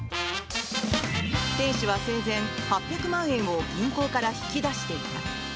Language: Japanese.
店主は生前、８００万円を銀行から引き出していた。